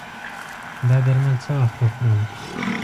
دا درمل څه وخت وخورم؟